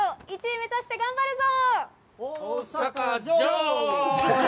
１位目指して頑張るぞ！